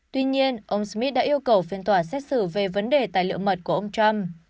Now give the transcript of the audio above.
tuy nhiên ông smith đã yêu cầu phiên tòa xét xử về vấn đề tài liệu mật của ông trump